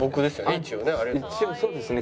一応そうですね。